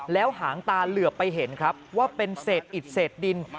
แล้วหางตาเหลือไปเห็นครับว่าเป็นเศษอิดเศษดิน